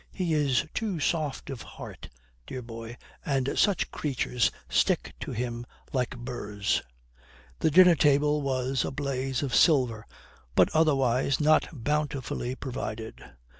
He is too soft of heart, dear boy, and such creatures stick to him like burrs." The dinner table was a blaze of silver, but otherwise not bountifully provided.